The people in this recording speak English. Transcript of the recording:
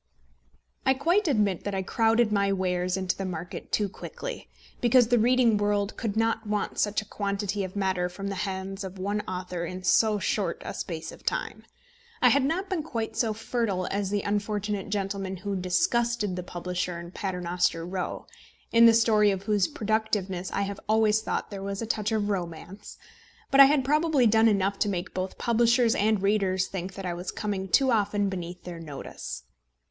I quite admit that I crowded my wares into the market too quickly, because the reading world could not want such a quantity of matter from the hands of one author in so short a space of time. I had not been quite so fertile as the unfortunate gentleman who disgusted the publisher in Paternoster Row, in the story of whose productiveness I have always thought there was a touch of romance, but I had probably done enough to make both publishers and readers think that I was coming too often beneath their notice.